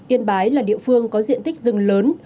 yên bái là địa phương có diện tích rừng lớn